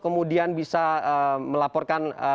kemudian bisa melaporkan